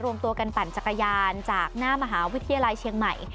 รวมตัวกันปั่นจักรยานจากหน้ามหาวิทยาลัยเชียงใหม่